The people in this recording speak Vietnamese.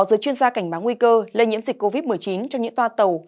giới chuyên gia cảnh báo nguy cơ lây nhiễm dịch covid một mươi chín trong những toa tàu